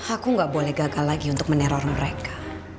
aku nggak boleh gagal lagi untuk meneror mereka